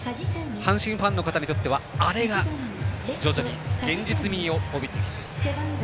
阪神ファンの方にとってはアレが徐々に現実味を帯びてきて。